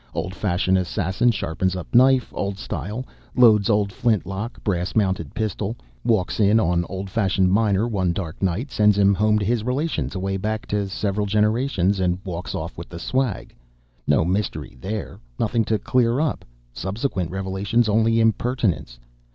Old fashioned assassin sharpens up knife, old style; loads old flint lock, brass mounted pistol; walks in on old fashioned miner one dark night, sends him home to his relations away back to several generations, and walks off with the swag. No mystery THERE; nothing to clear up; subsequent revelations only impertinence.